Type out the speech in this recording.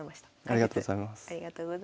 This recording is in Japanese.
ありがとうございます。